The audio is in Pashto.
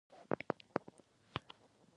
جنګ د خلکو تر منځ نفرت او کرکه رامنځته کوي.